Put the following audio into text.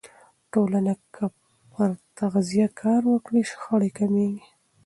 ټولنه که پر تغذیه کار وکړي، شخړې کمېږي.